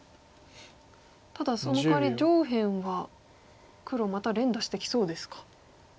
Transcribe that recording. ただそのかわり上辺は黒また連打してきそうですか。